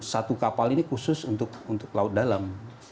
satu kapal ini khusus untuk laut dalam